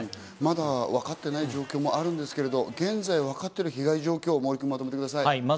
まだわかっていない状況もあるんですけど、現在分かっている被害状況をまとめましょう。